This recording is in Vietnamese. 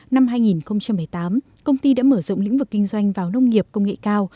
năm hai nghìn một mươi tám công ty đã mở rộng lĩnh vực kinh doanh vào nông nghiệp công nghệ cao